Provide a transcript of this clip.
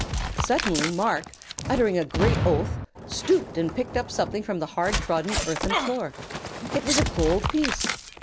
Suddenly Marc, uttering a great oath, stooped and picked up something from the hard trodden earthen floor. It was a gold piece!